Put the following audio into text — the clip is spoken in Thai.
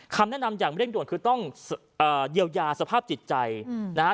คำแนะนำอย่างเร่งด่วนคือต้องเยียวยาสภาพจิตใจนะฮะ